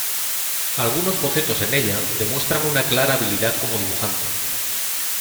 Algunos bocetos en ella demuestran una clara habilidad como dibujante.